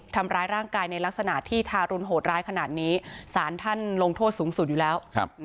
ทำร้ายร่างกายในลักษณะที่ทารุณโหดร้ายขนาดนี้สารท่านลงโทษสูงสุดอยู่แล้ว